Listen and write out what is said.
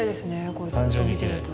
これずっと見てると。